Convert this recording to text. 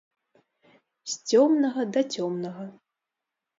З цёмнага да цёмнага.